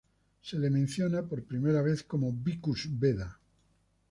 Se la menciona por primera vez como "Vicus Beda".